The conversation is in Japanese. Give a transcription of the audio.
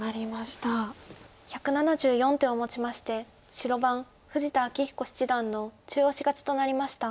１７４手をもちまして白番富士田明彦七段の中押し勝ちとなりました。